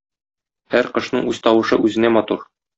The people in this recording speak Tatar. Һәр кошның үз тавышы үзенә матур.